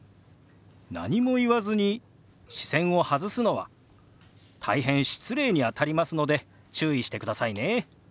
何も言わずに視線を外すのは大変失礼にあたりますので注意してくださいね。